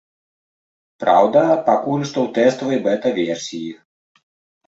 Праўда, пакуль што ў тэставай бэта-версіі.